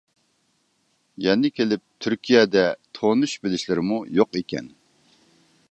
يەنە كېلىپ تۈركىيەدە تونۇش بىلىشلىرىمۇ يوق ئىكەن.